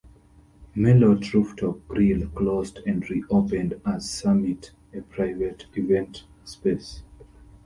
Merlot Rooftop Grill closed and re-opened as Summit, a private event space.